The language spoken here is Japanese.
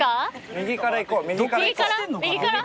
右からいこう。